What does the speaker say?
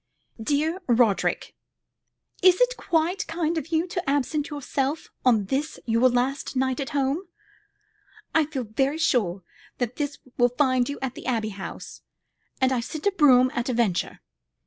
"Dear Roderick, Is it quite kind of you to absent yourself on this your last night at home? I feel very sure that this will find you at the Abbey House, and I send the brougham at a venture.